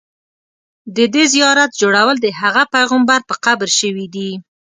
د دې زیارت جوړول د هغه پیغمبر په قبر شوي دي.